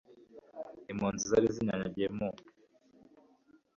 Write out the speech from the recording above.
impunzi zari zinyanyagiye mu